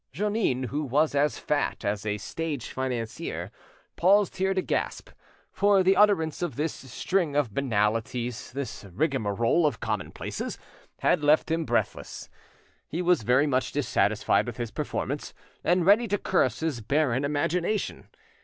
'" Jeannin, who was as fat as a stage financier, paused here to gasp; for the utterance of this string of banalities, this rigmarole of commonplaces, had left him breathless. He was very much dissatisfied with his performance; and ready to curse his barren imagination.